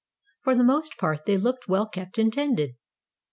For the most part they looked well kept and tended.